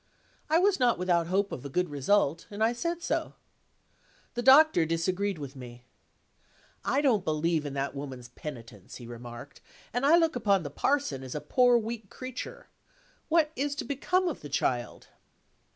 I was not without hope of a good result, and I said so. The Doctor disagreed with me. "I don't believe in that woman's penitence," he remarked; "and I look upon the parson as a poor weak creature. What is to become of the child?"